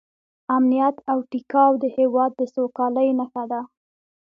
امنیت او ټیکاو د هېواد د سوکالۍ نښه ده.